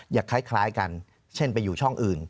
คล้ายกันเช่นไปอยู่ช่องอื่น